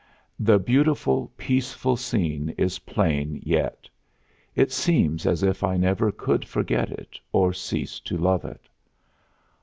The beautiful, peaceful scene is plain yet. It seems as if I never could forget it or cease to love it.